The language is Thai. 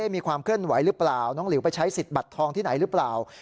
มีความเคลื่อนไหวหรือเปล่าน้องหลิวไปใช้สิทธิ์บัตรทองที่ไหนหรือเปล่า